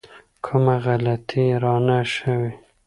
کومه غلطي رانه شوې.